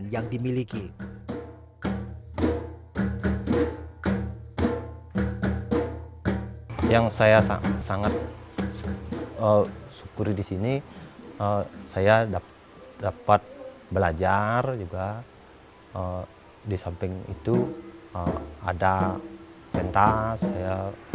yang saya sangat syukur di sini saya dapat belajar juga di samping itu ada pentas saya